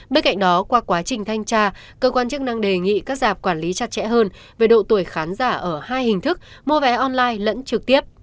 bên cạnh đó qua quá trình thanh tra cơ quan chức năng đề nghị các giảp quản lý chặt chẽ hơn về độ tuổi khán giả ở hai hình thức mua vé online lẫn trực tiếp